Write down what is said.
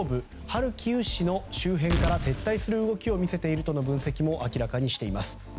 ハルキウ市の周辺から撤退する動きを見せているとの分析も明らかにしています。